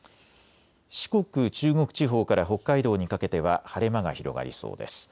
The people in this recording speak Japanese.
四国、中国地方から北海道にかけては晴れ間が広がりそうです。